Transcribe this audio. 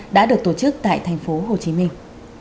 đã được tổ chức tại thành phố hồ chí minh